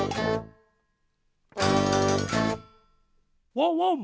ワンワン！